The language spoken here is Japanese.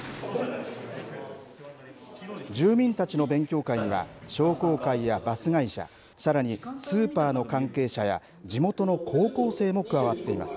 住民たちの勉強会には商工会やバス会社さらにスーパーの関係者や地元の高校生も加わっています。